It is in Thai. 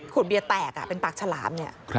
เบียร์แตกเป็นปากฉลามเนี่ย